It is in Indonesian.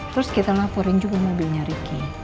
terus kita laporin juga mobilnya ricky